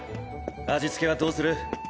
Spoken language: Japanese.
味付けはどうする？